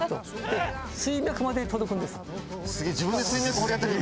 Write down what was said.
で水脈まで届くんです。